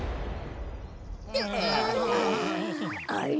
あれ？